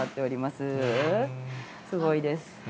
すごいです。